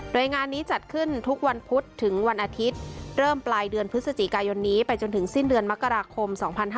โดยงานนี้จัดขึ้นทุกวันพุธถึงวันอาทิตย์เริ่มปลายเดือนพฤศจิกายนนี้ไปจนถึงสิ้นเดือนมกราคม๒๕๕๙